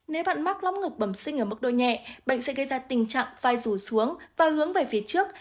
nếu bạn mắc lõm ngực bẩm sinh ở mức độ nhẹ bệnh sẽ gây ra tình trạng vai rủ xuống và hướng về phía trước